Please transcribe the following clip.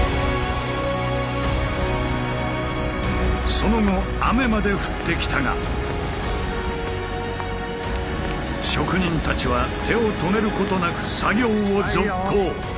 その後雨まで降ってきたが職人たちは手を止めることなく作業を続行。